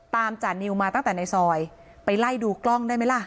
จานิวมาตั้งแต่ในซอยไปไล่ดูกล้องได้ไหมล่ะ